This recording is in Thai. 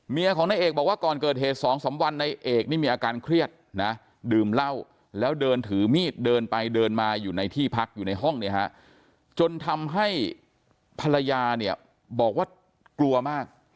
เมียของนายเอกบอกว่าก่อนเกิดเหตุ๒๓วันนายเอกนี่มีอาการเครียดนะดื่มเหล้าแล้วเดินถือมีดเดินไปเดินมาอยู่ในที่พักอยู่ในห้องเนี่ยฮะจนทำให้ภรรยาเนี่ยบอกว่ากลัวมาก